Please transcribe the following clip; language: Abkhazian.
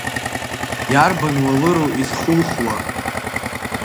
Иарбан уалыру изхухуа?